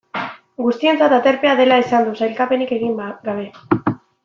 Guztientzat aterpea dela esan du, sailkapenik egin gabe.